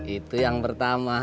itu yang pertama